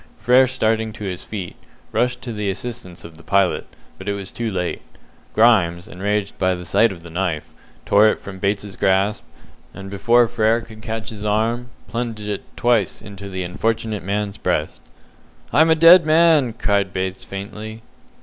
Frere, starting to his feet, rushed to the assistance of the pilot, but was too late. Grimes, enraged by the sight of the knife, tore it from Bates's grasp, and before Frere could catch his arm, plunged it twice into the unfortunate man's breast. "I'm a dead man!" cried Bates faintly.